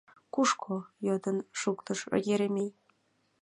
— Кушко? — йодын шуктыш Еремей.